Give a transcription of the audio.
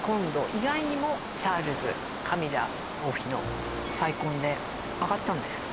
意外にもチャールズカミラ王妃の再婚で上がったんです